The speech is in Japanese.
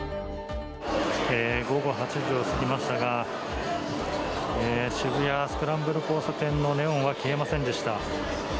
午後８時を過ぎましたが、渋谷スクランブル交差点のネオンは消えませんでした。